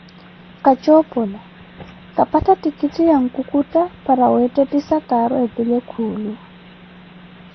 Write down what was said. Kajoopola, kapattha ttikitti ya nkukutta para weettettisa caaro epile kuulo.